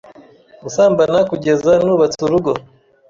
gusambana kugeza nubatse urugo.